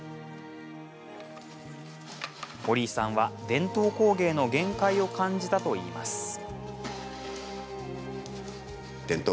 折井さんは、伝統工芸の限界を感じたといいます。